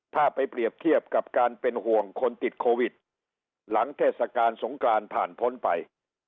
ถ้าไปเปรียบเทียบกับการเป็นห่วงคนติดโควิดหลังเทศกาลสงกรานผ่านพ้นไป